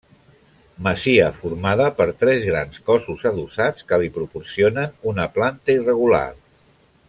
Masia formada per tres grans cossos adossats que li proporcionen una planta irregular.